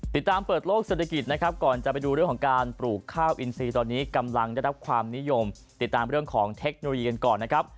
เปิดโลกเศรษฐกิจนะครับก่อนจะไปดูเรื่องของการปลูกข้าวอินซีตอนนี้กำลังได้รับความนิยมติดตามเรื่องของเทคโนโลยีกันก่อนนะครับ